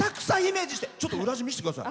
ちょっと裏地見せてください。